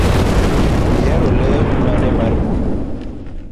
Ihero le mane mar bungu?